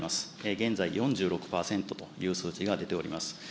現在、４６％という数字が出ております。